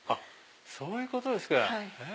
そういうことですか！